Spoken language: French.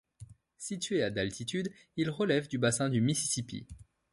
Situé à d'altitude, il relève du bassin du Mississippi.